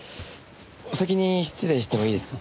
お先に失礼してもいいですか？